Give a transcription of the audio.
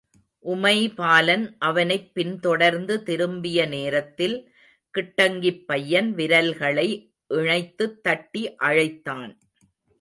உமைபாலன் அவனைப் பின்தொடர்ந்து திரும்பிய நேரத்தில், கிட்டங்கிப் பையன் விரல்களை இணைத்துத் தட்டி அழைத்தான்.